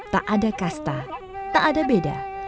tak ada kasta tak ada beda